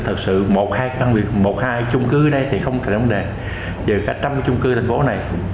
thật sự một hai chung cư ở đây thì không thể đồng đề về cả trăm chung cư thành phố này